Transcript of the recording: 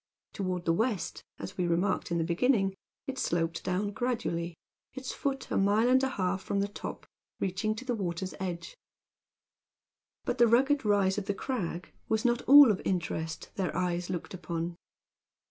Toward the west, as we remarked in the beginning, it sloped down gradually, its foot a mile and a half from the top, reaching to the water's edge. But the rugged rise of the crag was not all of interest their eyes looked upon.